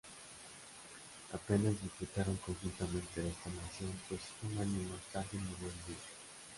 Apenas disfrutaron conjuntamente de esta mansión pues un año más tarde murió Elvira.